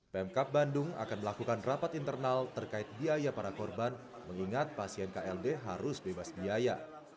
pemkap bandung akan melakukan rapat internal terkait biaya para korban mengingat pasien kld harus bebas biaya